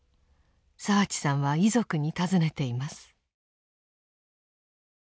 澤地さんは遺族に尋ねています。